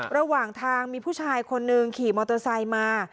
ระหว่างทางมีผู้ชายคนหนึ่งขี่มอเตอร์ไซค์มา